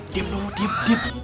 diam dong diam diam